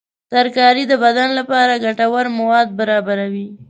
ترکاري د بدن لپاره ګټور مواد برابروي.